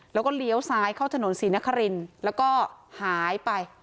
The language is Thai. แล้วก็เลี้ยวซ้ายเข้าถนนศรีนครินแล้วก็หายไป